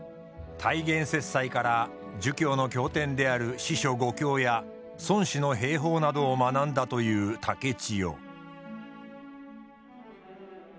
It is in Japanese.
太原雪斎から儒教の経典である「四書五経」や「孫子」の兵法などを学んだという竹千代。